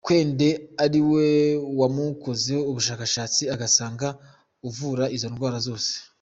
Gwende ari we wawukozeho ubushakashatsi agasanga uvura izo ndwara zose.